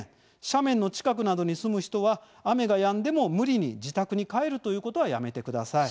斜面の近くなどに住む人は雨がやんでも無理に自宅に帰るということはやめてください。